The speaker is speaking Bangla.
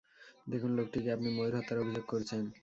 দেখুন লোকটিকে আপনি ময়ূর হত্যার অভিযোগ করেছেন?